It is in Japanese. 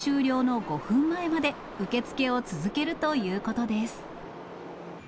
こちらの店舗では、営業終了の５分前まで受け付けを続けるということです。